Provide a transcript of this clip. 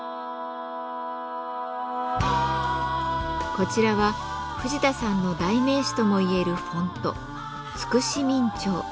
こちらは藤田さんの代名詞ともいえるフォント「筑紫明朝」。